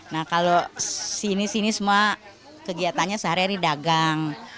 nah kalau sini sini semua kegiatannya sehari hari dagang